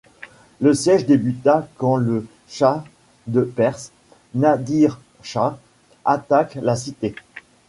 Le siège débuta quand le Shah de Perse, Nadir Shah, attaque la cité.